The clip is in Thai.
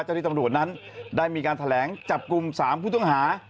ที่ตำรวจนั้นได้มีการแถลงจับกลุ่ม๓ผู้ต้องหา